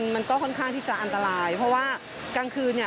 มันก็ค่อนข้างที่จะอันตรายเพราะว่ากลางคืนเนี่ย